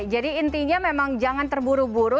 jadi intinya memang jangan terburu buru